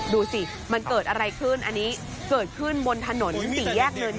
ดูสิมันเกิดอะไรขึ้นอันนี้เกิดขึ้นบนถนนสี่แยกเนิน